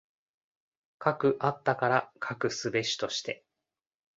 斯くあったから斯くすべしとして。